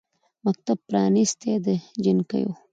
مکتب پرانیستی د جینکیو